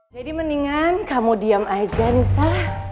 jadi mendingan kamu diam aja nisa